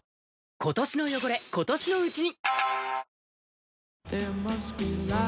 今年の汚れ、今年のうちに。